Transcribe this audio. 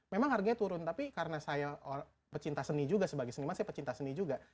memang harganya turun tapi karena saya pecinta seni juga sebagai seniman saya pecinta seni juga